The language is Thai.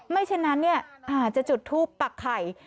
ไม่ฉะนั้นเนี่ยอาจจะจุดทูปปักไข่